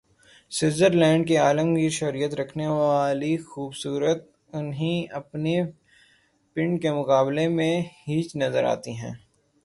Switzer land کی عالمگیر شہرت رکھنے والی خوب صورتی انہیں اپنے "پنڈ" کے مقابلے میں ہیچ نظر آتی ہے۔